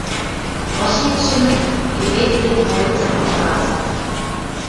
Ышетшӹм леведде дворецӹн указ.